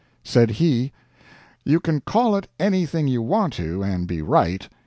Said he: "You can call it anything you want to, and be right.